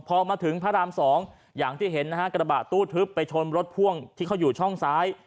พอมาถึงพระราม๒อย่างที่เห็นนะฮะกระบะตู้ทึบไปชนรถพ่วงที่เขาอยู่ช่องซ้าย